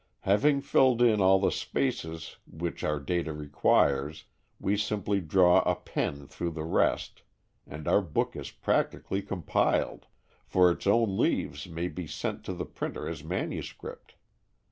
Having filled in all the spaces which our data requires, we simply draw a pen through the rest, and our book is practically compiled, for its own leaves may be sent to the printer as manuscript!